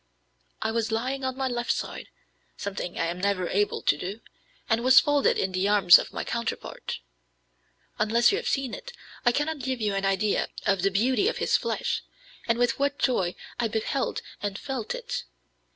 I was lying on my left side (something I am never able to do), and was folded in the arms of my counterpart. Unless you have seen it, I cannot give you an idea of the beauty of his flesh, and with what joy I beheld and felt it.